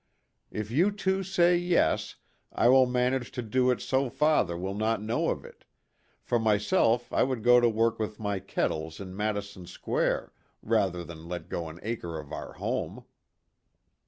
" If you two say yes, I will manage to do it so father will not know of it for myself I would go to work with my kettles in Madison Square rather than let go an acre of our home."